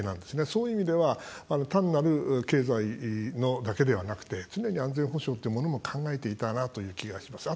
そういう意味では単なる経済だけではなくて常に安全保障っていうものも考えていたなという気がします。